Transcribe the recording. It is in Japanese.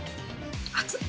熱っ！